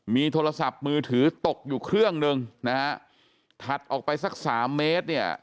มีโทรศัพท์มือถือตกอยู่เครื่องหนึ่งถัดออกไปสัก๓เมตร